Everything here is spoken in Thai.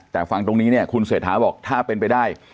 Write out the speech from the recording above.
แต่ฟังตรงนี้เนี่ยคุณเศรษฐาบอกถ้าเป็นไปได้